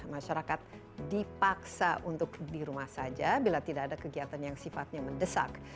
masyarakat dipaksa untuk di rumah saja bila tidak ada kegiatan yang sifatnya mendesak